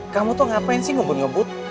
kamu tuh ngapain sih ngebut ngebut